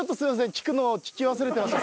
聞くのを聞き忘れていました。